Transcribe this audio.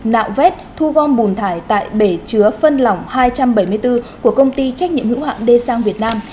nạo vét thu gom bùn thải tại bể chứa phân lỏng hai trăm bảy mươi bốn của công ty trách nhiệm hữu hạng d sang việt nam